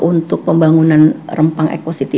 untuk pembangunan rempang ekositi